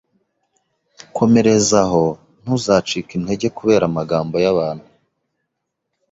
Komereza aho ntuzacike intege kubera amagambo y'abantu